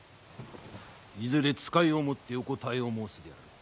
いずれ使いをもってお答えを申すであろう。